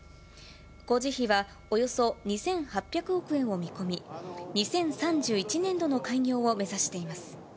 工事費はおよそ２８００億円を見込み、２０３１年度の開業を目指しています。